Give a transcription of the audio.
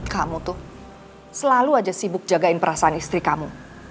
kamu tuh selalu aja sibuk jagain perasaan istri kamu